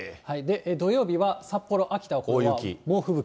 土曜日は札幌、秋田は猛吹雪。